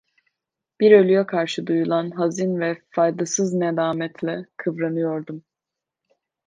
Bir ölüye karşı duyulan hazin ve faydasız nedametle kıvranıyordum.